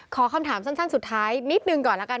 ขอคำถามสั้นสุดท้ายนิดหนึ่งก่อนแล้วกัน